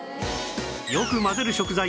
よく混ぜる食材